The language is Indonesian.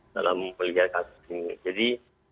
dalam melihat kasus ini